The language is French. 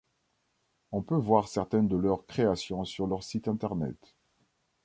On peut voir certaines de leurs créations sur leur site internet.